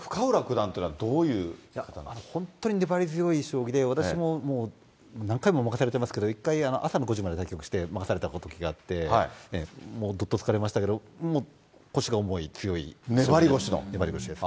これ、本当に粘り強い将棋で、私も何回も負かされてますけど、１回、朝の５時まで対局して、任されたときがあって、どっと疲れましたけど、もう、腰が重い、粘り腰の？